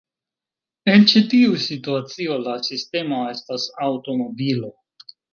En ĉi tiu situacio, la sistemo estas aŭtomobilo.